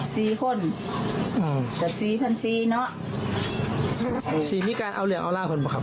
สี่คนอ่าแต่สี่พันสี่เนอะสี่มีการเอาเหลืองเอาร่างคนบอกครับ